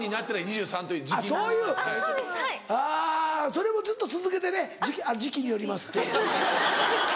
それもずっと続けてね「時期によります」って。